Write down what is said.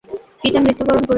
পিতা মৃত্যুবরণ করেছেন।